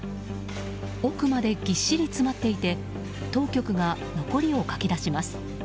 奥までぎっしり詰まっていて当局が残りをかき出します。